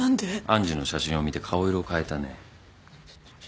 愛珠の写真を見て顔色を変えたね。